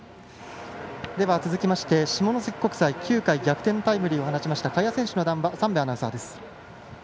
では、続きまして下関国際９回逆転タイムリーを放ちました賀谷選手の談話三瓶アナウンサーです。